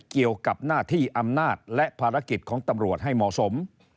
เกี่ยวกับหน้าที่อำนาจและภารกิจของตำรวจให้เหมาะสม